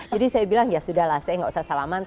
jadi saya bilang ya sudah lah saya enggak usah salaman